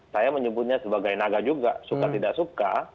saya menyebutnya sebagai naga juga suka tidak suka